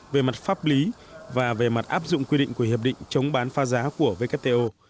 về mặt pháp lý và về mặt áp dụng quy định của hiệp định chống bán pha giá của wto